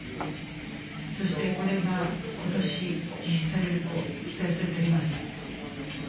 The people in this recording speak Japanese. そして、これがことし、実施されると期待されております。